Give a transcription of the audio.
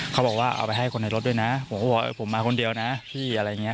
เขาบอกว่าเอาไปให้คนในรถด้วยนะผมก็บอกว่าผมมาคนเดียวนะพี่อะไรอย่างนี้